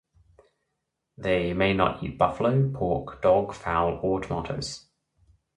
They may not eat buffalo, pork, dog, fowl, or tomatoes.